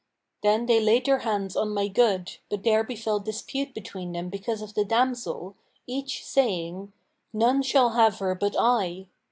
Then they laid their hands on my good, but there befel dispute between them because of the damsel, each saying, 'None shall have her but I.'